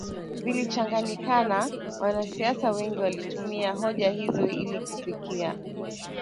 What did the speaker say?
vilichanganyikana wanasiasa wengi walitumia hoja hizo ili kufikia